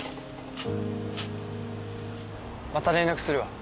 また連絡するわ。